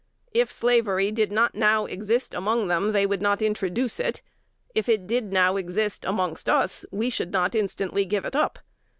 If slavery did not now exist among them, they would not introduce it: if it did now exist amongst us, we should not instantly give it up.